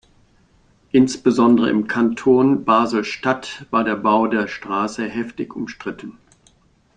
Insbesondere im Kanton Basel-Stadt war der Bau der Strasse heftig umstritten.